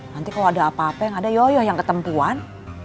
nanti kalau ada apa apa yang ada yoyo yang ketempuan